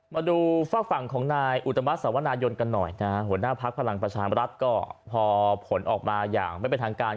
มาดูฝากฝั่งของนายอุตมัติสวนายนกันหน่อยนะฮะหัวหน้าพักพลังประชามรัฐก็พอผลออกมาอย่างไม่เป็นทางการ